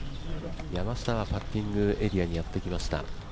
山下がパッティングエリアにやってきました。